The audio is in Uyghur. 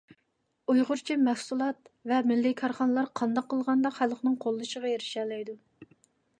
ئۇيغۇرچە مەھسۇلات ۋە مىللىي كارخانىلار قانداق قىلغاندا خەلقنىڭ قوللىشىغا ئېرىشەلەيدۇ؟